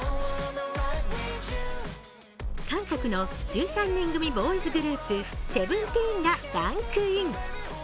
韓国の１３人組ボーイズグループ、ＳＥＶＥＮＴＥＥＮがランクイン。